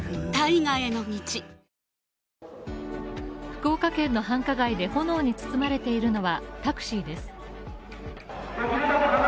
福岡県の繁華街で炎に包まれているのはタクシーです。